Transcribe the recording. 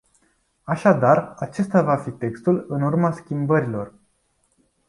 Așadar, acesta va fi textul în urma schimbărilor.